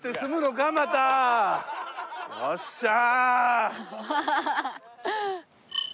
よっしゃー！